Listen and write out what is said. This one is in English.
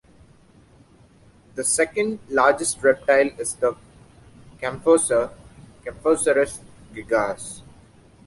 The second largest reptile is the champsosaur "Champsosaurus gigas".